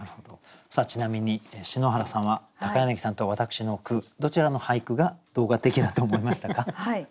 ちなみに篠原さんは柳さんと私の句どちらの俳句が動画的だと思いましたか。